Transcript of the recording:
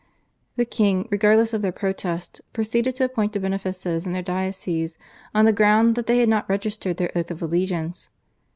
The king, regardless of their protests, proceeded to appoint to benefices in their dioceses on the ground that they had not registered their oath of allegiance.